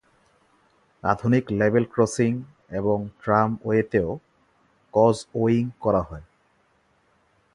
আধুনিক level crossing এবং ট্রামওয়েতেও কজওয়েয়িং করা হয়।